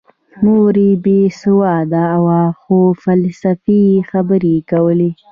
مور یې بې سواده وه خو فلسفي خبرې یې کولې